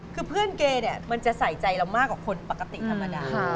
คือเพื่อนเกย์เนี่ยมันจะใส่ใจเรามากกว่าคนปกติธรรมดา